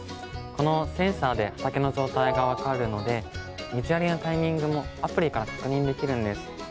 このセンサーで畑の状態が分かるので水やりのタイミングもアプリから確認できるんです。